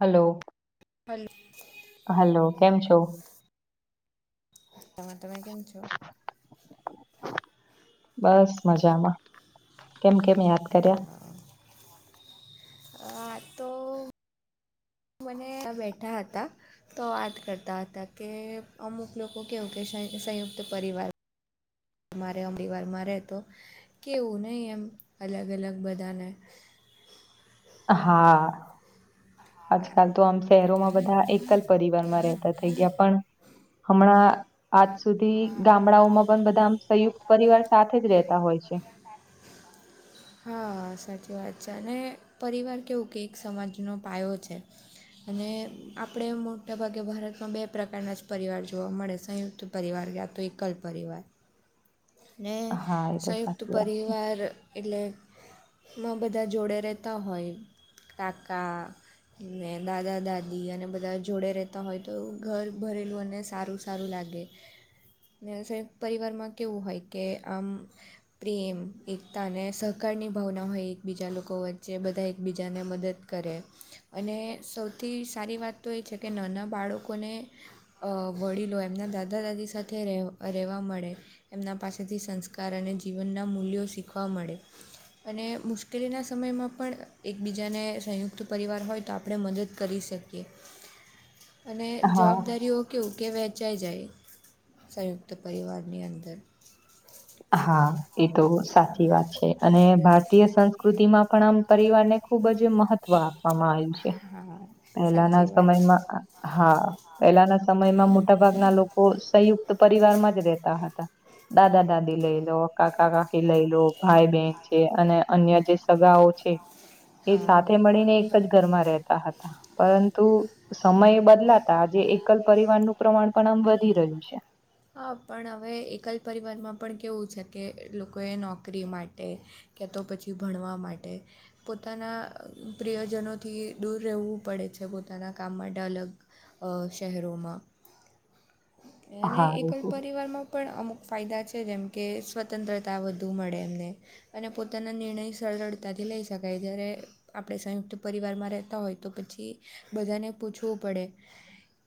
Hello hello hello, કેમ છો? તમે તમે કેમ છો? બસ મજામાં કેમ કેમ યાદ કર્યા? અ તો મને બેઠા હતા તો વાત કરતા હતા કે અમુક લોકો કેવું કે સંયુક્ત પરિવાર અરે અમરીવારમાં રહેતો કેવું નહી એમ અલગ અલગ બધાને હા આજકાલ તો આમ શહેરોમાં બધા એકલ પરિવારમાં રહેતા હતા. થઈ ગયા પણ હમણાં આજ સુધી ગામડાઓમાં પણ બધા આ સંયુક્ત પરિવાર સાથે જ રહેતા હોય છે. હા સાચી વાત છે અને પરિવાર કેવું કેક સમાજનો પાયો છે અને આપણે મોટાભાગે ભારતમાં બે પ્રકારના જ પરિવાર જોવા મળે સંયુક્ત પરિવાર ગયા તો એક કલ પરિવાર ને હા એ તો સંયુક્ત સાચી વાત છે પરિવાર એટલે માં બધા જોડે રહેતા હોય કાકા દાદા દાદી અને બધા જોડે રહેતા હોય, તો ઘર ભરેલું અને સારું સારું લાગે પરિવારમાં કેવું હોય કે આમ પ્રેમ એકતા અને સહકારની ભાવના હોય એકબીજા લોકો વચ્ચે બધા એકબીજાને મદદ કરે અને સૌથી સારી વાત તો એ છે, કે નાના બાળકોને અ વડીલો એમના દાદા દાદી સાથે રહે રહેવા મળે એમના પાસે સાથેથી સંસ્કાર અને જીવનના મૂલ્યો શીખવા મળે અને મુશ્કેલીના સમયમાં પણ એકબીજાને સંયુક્ત પરિવાર હોય તો આપણે મદદ કરી શકીએ અને હા જવાબદારીઓ કેવું કે વહેંચાઈ જાય સંયુક્ત પરિવારની અંદર હા, એ તો સાચી વાત છે અને ભારતીય સંસ્કૃતિમાં પણ આમ પરિવારને ખુબ જ મહત્વ આપવામાં આવ્યું છે. હા પેલાના સાચી વાત છે સમયમાં હા પહેલાના સમયમાં મોટાભાગના લોકો સંયુક્ત તો પરિવારમાં જ રેતા હતા દાદા દાદી લઈ લો કાકા કાકી લઈ લો ભાઈ બન છે અને અન્ય જે સગાઓ છે એ હા સાથે મળીને એક જ ઘરમાં રહેતા હતા, પરંતુ સમય બદલાતા આજે એકલ પરિવાર નું પ્રમાણ પણ આમ વધી રહ્યું છે. હા, પણ હવે એકલ પરિવારમાં પણ કેવું છે કે લોકોએ નોકરી માટે કે તો પછી ભણવા માટે પોતાના પ્રિયજનોથી દૂર રહેવું પડે છે, પોતાના કામ માટે અલગ અ શહેરોમાં અને હા એ એકલ તો પરિવારમાં પણ અમુક ફાયદા છે, જેમ કે સ્વતંત્રતા વધુ મળે એમને અને પોતાના નિર્ણય સરળતાથી લઈ શકાય જ્યારે આપણે સંયુક્ત પરિવારમાં રહેતા હોય તો પછી બધાને પૂછવું પડે.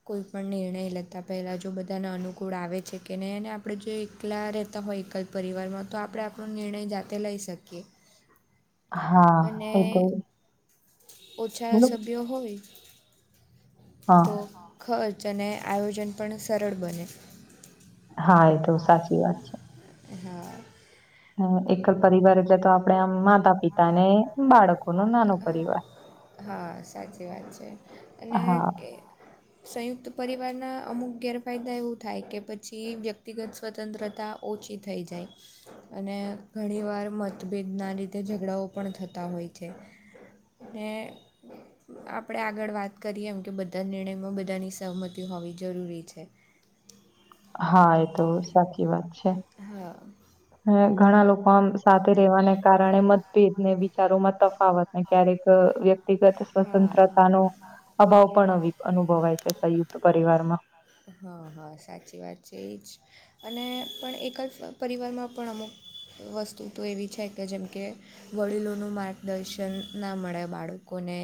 કોઈ પણ નિર્ણય લેતા પહેલા જો બધાને અનુકૂળ આવે છે કે નહીં અને આપણેે જો એકલા રહેતા હોય એક પરિવારમાં તો આપણે આપણો નિર્ણય જાતે લઈ શકીએ. હા અને એ તો ઓછા બોલો સભ્યો હોય હા તો ખર્ચ અને આયોજન પણ સરળ બને હા, એ તો સાચી વાત છે. હા, હ એક જ પરિવાર એટલે તો આપડે આમ માતા પિતા ને બાળકો ન નાનો પરિવાર. હા, સાચી વાત છે અને હા સંયુક્ત પરિવારના અમુક ગેરફાયદા એવું થાય કે પછી વ્યક્તિગત સ્વતંત્રતા ઓછી થઈ જાય અને ઘણીવાર મતભેદના રીતેે ઝઘડાઓ પણ થતા હોય છે, ને [unintelligible] આપણે આગળ વાત કરીએ એમ કે બધા નિર્ણયમાં બધાની સહમતી હોવી જરૂરી છે. હા, એ તો સાચી વાત છે. હા, હ ઘણા લોકો આમ સાથે રહેવાને કારણે મતભેદ ને વિચારોમાં તફાવત ક્યારેક વ્યક્તિગત હા હા સ્વતંત્રતા નો અભાવ પણ આવી અનુભવાય છે, સંયુક્ત પરિવાર માં હા હા, સાચી વાત છે, એ જ અને પણ એક જ પરિવારમાં પણ અમુક વસ્તુ તો એવી છે, કે જેમ કે, વડીલોનું માર્ગદર્શન ના મળે બાળકોને,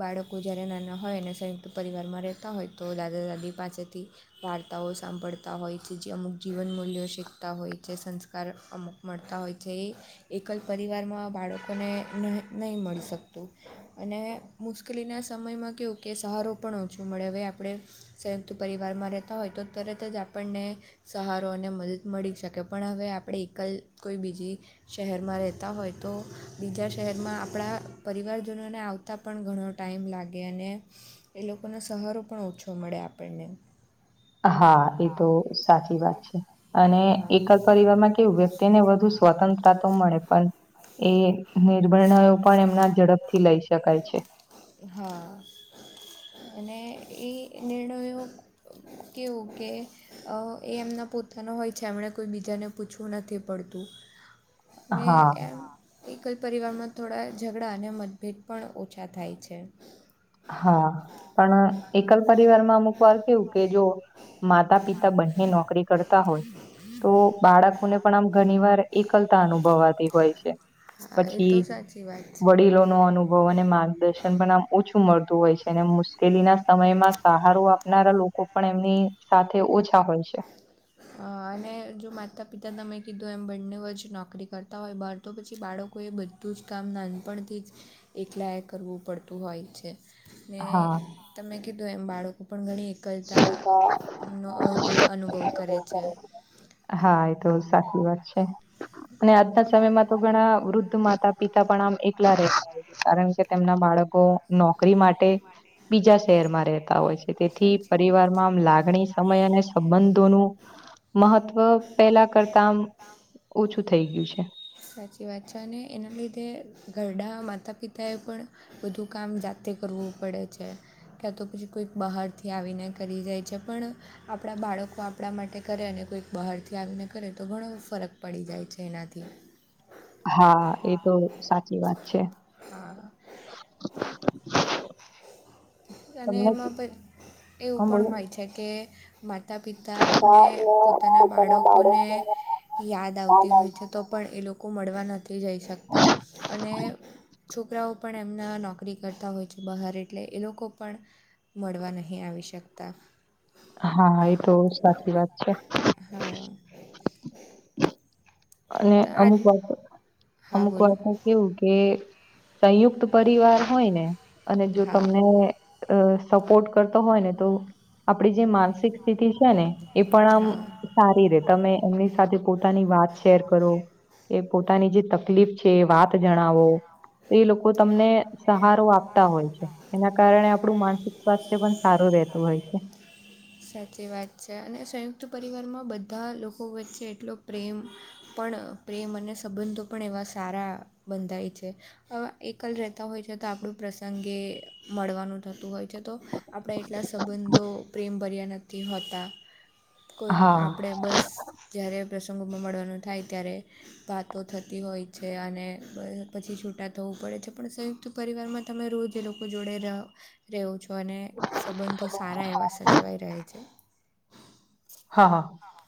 બાળકો જયારે નાના હોય અને સંયુક્ત પરિવારમાં રહેતા હોય તો દાદા દાદી પાસેથી વાર્તાઓ સાંભળતા હોય છે, જે અમુક જીવન મૂલ્યો શીખતા હોય છે, સંસ્કાર અમુક મળતા હોય છે, એ એકલ પરિવારમાં બાળકોને ન નહીં મળી શકતું. અને મુશ્કેલીના સમયમાં કેવું કે સહારો પણ ઓછો મળે હવે આપડે સંયુક્ત પરિવારમાં રહેતા હોય તો તરત જ આપણને સહારો અને મદદ મળી શકે પણ હવે આપણે એકલ કોઈ બીજી શહેરમાં રહેતા હોય તો બીજા શહેરમાં આપણા પરિવારજનોને આવતા તા પણ ઘણો ટાઈમ લાગે અને એ લોકોનો સહારો પણ ઓછો મળે આપણને. હા એ તો સાચી વાત છે. અને હા એકલ પરિવારમાં કેવું વ્યક્તિને વધુ સ્વતંત્ર સ્વતંત્રતા તો મળે પણ એ નિર્ભણ પણ એમના ઝડપથી લઈ શકાય છે. હા અને એ નિર્ણયો ઓકે, ઓકે. અ એ એમના પોતાના હોય છે, એમને કોઈ બીજાને પૂછવું નથી પડતું. ને હા એમ એકજ પરિવારમાં થોડા ઝઘડા અને મત ભેટ પણ ઓછા થાય છે. હા પણ એકલ પરિવારમાં અમુકવાર કેવું કે જો માતા પિતા તા બંને નોકરી કરતા હોય તો બાળકોને પણ આમ ઘણી વાર એકલતા તા અનુભવાતી હોય છે, હા એ પછી તો સાચી વાત છે વડીલો નો અનુભવ અને માર્ગદર્શન પણ આમ ઓછું મળતું હોય છે, અને મુશ્કેલી ના સમયમાં સહારો આપનારા લોકો પણ એમની સાથે ઓછા હોય. છે. અ અને જો માતા-પિતા તમે કીધુ એમ બંનેઓજ નોકરી કરતા હોય બાર તો પછી બાળકોએ બધું જ કામ નાનપણથી જ એકલાએ કરવું પડતું હોય છે. ને હા. તમે કીધું એમ બાળકો પણ ઘણી એકલતાનો અનુભવ અનુભવ કરે છે. હા એતો સાચી વાત છે. અને આજના સમયમાં તો ઘણા વૃદ્ધ માતા-પિતા પણ આમ એકલા રહેેતા હોય. કારણ કે તેમના બાળકો નો નોકરી માટે બીજા શહેરમાં રહેતા હોય છે. તેથી સાચી પરિવારમાં આમ લાગણી સમય અને સંબંધોનું મહત્વ પેલા કરતા આમ ઓછું થઈ ગયું છે. સાચી વાત છે અને એના લીધે ઘરડા માતા પિતાએ પણ બધું કામ જાતે કરવું પડે છે. ક્યાં તો પછી કોઈક બહારથી આવીને કરી જાય છે પણ આપણાં બાળકો આપણા માટે કરે અને કોઈક બહારથી આવીને કરે તો ઘણો ફરક પડી જાય છે. એનાથી. હા એતો સાચી વાત છે. હા. [inaudible] અને તમને એમાં પઇ એવું હમ પણ બોલો હોય છે. કે માતા હા, પિતાને પોતાના બાળકોને યાદ આવતી હોય છે. તો પણ એ લોકો મળવા નથી જઈ શકતા અને છોકરાઓ પણ એમના નોકરી કરતા હોય છે. બહાર એટલે એ લોકો પણ મળવા નહીં આવી શકતા. હા એ તો સાચી વાત છે. હા તો અને આજ અમુક વાતો. હા અમુક બોલો વતો. કેવું કે સંયુક્ત પરિવાર હોય ને અને જો હા તમને અ સપોર્ટ કરતો હોય ને તો આપડી જે માનસિક સ્થિતિ છે ને એ પણ આમ હા સારી રે તમે એમની સાથે પોતાની વાત શેર કરો કે પોતાની જે તકલીફ છે વાત જણો એ લોકો તમને સહારો આપતા હોય છે એના કારણે આપણું માનસિક સ્વાસ્થ્ય પણ સારું રહેતું હોય છે. હ સાચી વાત છે અને સંયુક્ત પરિવારમાં બધા લોકો વચ્ચે એટલો પ્રેમ પણ પ્રેમ અને સંબંધો પણ એવા સારા બંધાય છે અ એકલ રહેતા હોય છે તો આપણું પ્રસંગ એ મળવાનું થતું હોય છે તો આપણા એટલા સંબંધો પ્રેમભર્યા નથી હોતા કોઈક હા આપણે બસ જ્યારે પ્રસંગોમાં મળવાનું થાય ત્યારે વાતો થતી હોય છે અને પછી છૂટા થવું પડે છે પણ સંયુક્ત પરિવારમાં તમે રોજ એ લોકો જોડે રહ રહેવું છું અને સંબંધો સારા એવા સચવાઈ રહે્યા છે હા હા હા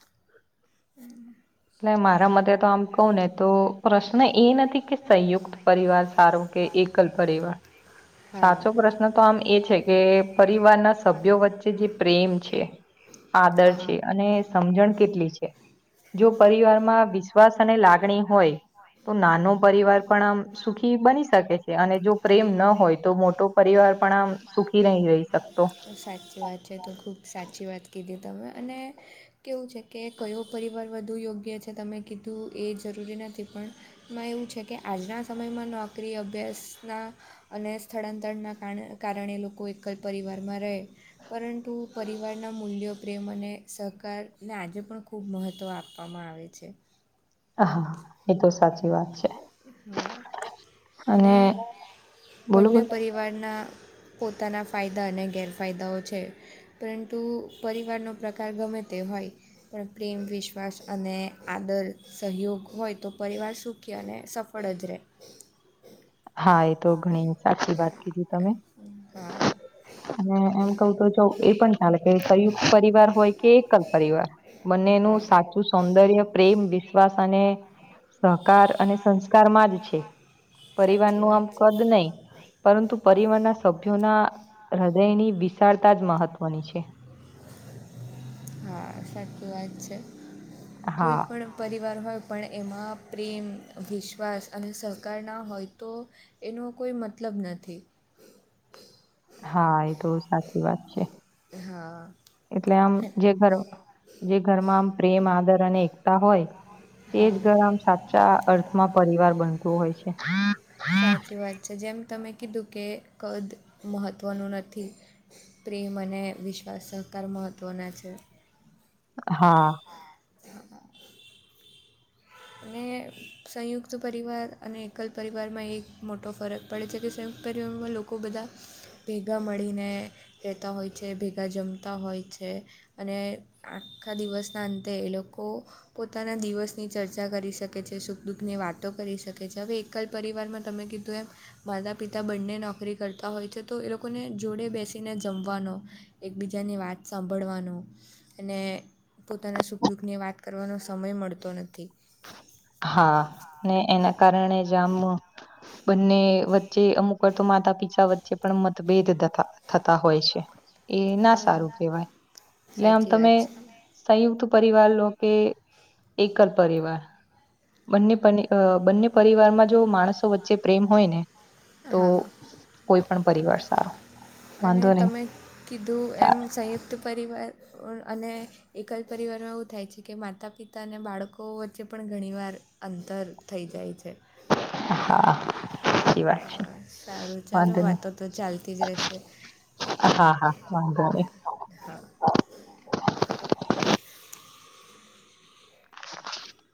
[inaudible] એટલે મારા મતે તો આમ કહું ને તો પ્રશ્ન એ નથી કે સંયુક્ત પરિવાર સારો કે એકલ પરિવાર હા સાચો પ્રશ્ન તો આમ એ છે કે પરિવારના સભ્યો વચ્ચે જે પ્રેમ છે આદર હા છે અને સમજણ કેટલી છે જો પરિવાર માં વિશ્વાસ અને લાગણી હોય તો હમ નાનો પરિવાર પણ આમ સુખી બની શકે છે અને જો પ્રેમ ન હોય તો મોટો પરિવાર પણ આમ સુખી રહી જહી સાચી વાત છે તો ખૂબ સાચી વાત કીધી તમે અને કેવું છે કે કયો પરિવાર વધુ યોગ્ય છે તમે કીધું એ જરૂરી નથી પણ માં એવું છે કે આજના સમયમાં નોકરી અભ્યાસના અને સ્થળાંતરના કારણે લોકો એકલ પરિવારમાં રહે પરંતુ પરિવારના મૂલ્યો પ્રેમ અને સહકારને આજે પણ ખૂબ મહત્ત્વ આપવામાં આવે છે હ હા એ તો સાચી વાત છે હ અને બોલો બંને બોલો પરિવારના પોતાના ફાયદા અને ગેરફાયદાઓ છે પરંતુ પરિવારનો પ્રકાર ગમે તે હોય પણ પ્રેમ વિશ્વાસ અને આદર સહયોગ હોય તો પરિવાર સુખી અને સફળદરે હા એ તો ઘણી સાચી વાત કીધી તમે હા અને એમ કહ તો એ પણ ચાલે કે સંયુક્ત પરિવાર હોય કે એકલ પરિવાર બંનેનું હા સાચું સૌંદર્ય પ્રેમ વિશ્વાસ અને સહકાર અને સંસ્કાર માં જ છે પરિવાર સાચી નું આમ વાત કદ છે નહી પરંતુ પરિવારના સભ્યોના હૃદયની વિશાળતા જ મહત્વની છે હા સાચી વાત છે કોઈ હા પણ પરિવાર હોય પણ એમાં પ્રેમ વિશ્વાસ અને સહકાર ના હોય તો એનો કોઈ મતલબ નથી હા એ તો સાચી વાત છે હા એટલે આમ જે ઘરો જે ઘરમાં આમ પ્રેમ આદર અને એકતા હોય તે જ હા ઘર આમ સાચા અર્થમાં પરિવાર બનતું હોય છે સાચી વાત છે જેમ તમે કીધું કે કદ મહત્ત્વનું નથી પ્રેમ અને વિશ્વાસ સહકાર મહત્ત્વના છે હા હમ [inaudible] અને સંયુક્ત પરિવાર અને એકલ પરિવારમાં એક મોટો ફરક પડે છે કે સંયુકટ પરિવારમાં લોકો બધા ભેગા મળીને કહેતા હોય છે ભેગા જમતા હોય છે અને આખા દિવસના અંતે એ લોકો પોતાના દિવસની ચર્ચા કરી શકે છે સુખ દુઃખની વાતો કરી શકે છે હવે એકલ પરિવારમાં તમે કીધું એમ માતા પિતા બંને નોકરી કરતા હોય છે તો એ લોકોને જોડે બેસીને જમવાનો એકબીજાની વાત સાંભળવાનું અને પોતાના સુખ દુઃખની વાત કરવાનો સમય મળતો નથી હા ને એના કારણે જામ બંને વચ્ચે અમુક વાર તો માતા પિતા વચ્ચે પણ મતભેદ તતા થતા હોય છે એ ના સારું હા કેહેવાય એટલે આમ સાચી તમે વાત સંયુક્ત પરિવાર લો એકલ ર બને છે બંને પરિવારમાં [unintelligible] [inaudible] જો માણસો વચ્ચે પ્રેમ હોય ને તો હા કોઈ પણ પરિવાર સારો અને વાંધો નહી તમે કીધું એમ સંયુક્ત પરિવાર અને એક જ પરિવારમાં એવું થાય છે કે માતા પિતા અને બાળકો વચ્ચે પણ ઘણી વાર અંતર થઈ જાય છે હા એી વાત છે [inaudible] [unintelligible] હા સારું ચાલો વાંધો નહી વાતો તો ચાલતી જ રહેશે હા હા હા હા [inaudible] [unintelligible]